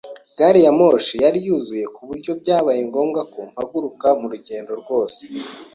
Gariyamoshi yari yuzuye ku buryo byabaye ngombwa ko mpaguruka mu rugendo rwose.